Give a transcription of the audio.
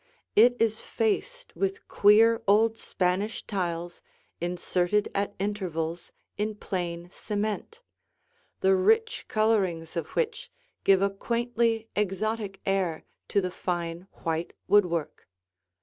It is faced with queer old Spanish tiles inserted at intervals in plain cement, the rich colorings of which give a quaintly exotic air to the fine white woodwork.